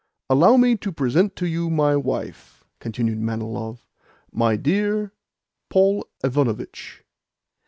"Allow me to present to you my wife," continued Manilov. "My dear Paul Ivanovitch."